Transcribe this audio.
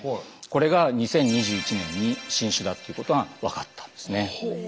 これが２０２１年に新種だっていうことが分かったんですね。